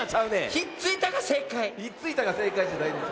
「ひっついた」がせいかいじゃないです。